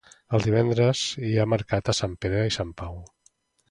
Els divendres hi ha mercat a Sant Pere i Sant Pau.